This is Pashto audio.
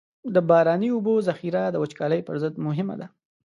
د باراني اوبو ذخیره د وچکالۍ پر ضد مهمه ده.